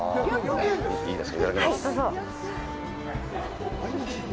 いただきます。